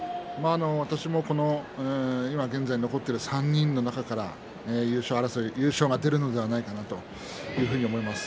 私も今現在残っている３人の中から優勝が出るのではないかなというふうに思います。